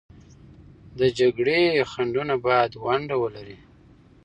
د جګړې خنډونه باید ونډه ولري.